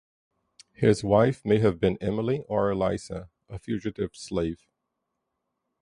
His wife may have been Emily or Eliza, a fugitive slave.